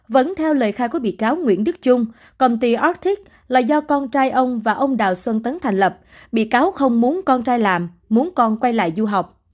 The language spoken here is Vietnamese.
vẫn theo lời khai của bị cáo nguyễn đức trung công ty ortick là do con trai ông và ông đào xuân tấn thành lập bị cáo không muốn con trai làm muốn con quay lại du học